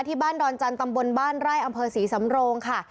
ดอนจันทร์ตำบลบ้านไร่อำเภอศรีสำโรงค่ะ